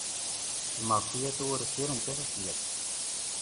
Lmeɛṣiyat-iw ur ffirent ara fell-ak.